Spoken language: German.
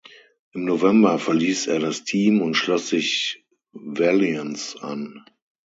Im November verließ er das Team und schloss sich Valiance an.